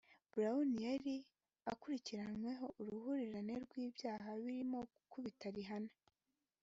Brown yari akurikiranyweho uruhurirane rw’ibyaha birimo gukubita Rihanna